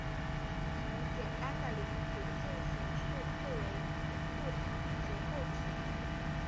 从简单的零组件型式最为复杂的结构体。